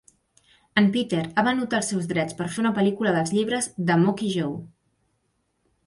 En Peter ha venut els seus drets per fer una pel·lícula dels llibres de Mokee Joe.